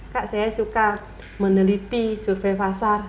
kak saya suka meneliti survei pasar